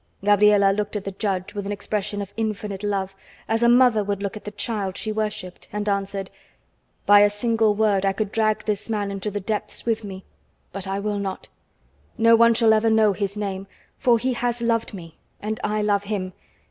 Gabriela looked at the judge with an expression of infinite love, as a mother would look at the child she worshiped, and answered: "By a single word I could drag this man into the depths with me. But I will not. No one shall ever know his name, for he has loved me and I love him.